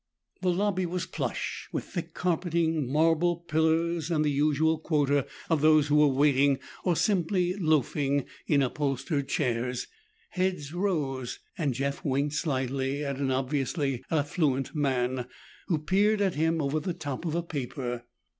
The lobby was plush, with thick carpeting, marble pillars, and the usual quota of those who were waiting or simply loafing in upholstered chairs. Heads rose, and Jeff winked slyly at an obviously affluent man who peered at him over the top of a paper.